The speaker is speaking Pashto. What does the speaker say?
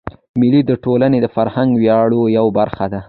مېلې د ټولني د فرهنګي ویاړو یوه برخه ده.